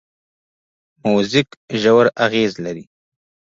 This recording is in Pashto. موزیک ژور اغېز لري.